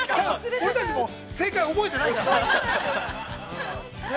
◆俺たちも正解覚えてないからね。